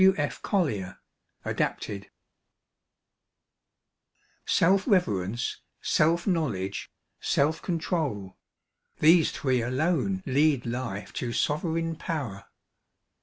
W. F. Collier, (Adapted) Self reverence, self knowledge, self control, These three alone lead life to sovereign power.